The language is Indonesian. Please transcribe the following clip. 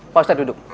pak ustadz duduk